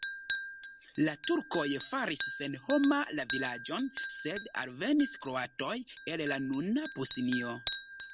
La turkoj faris senhoma la vilaĝon, sed alvenis kroatoj el la nuna Bosnio.